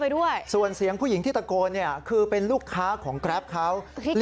เดี๋ยว